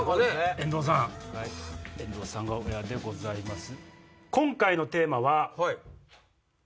遠藤さんが親でございます。